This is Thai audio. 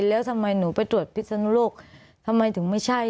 แล้วทำไมหนูไปตรวจพิศนุโลกทำไมถึงไม่ใช่